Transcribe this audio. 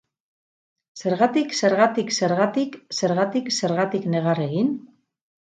Zergatik, zergatik, zergatik, zergatik, zergatik negar egin?